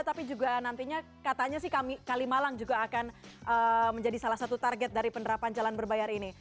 tapi juga nantinya katanya sih kalimalang juga akan menjadi salah satu target dari penerapan jalan berbayar ini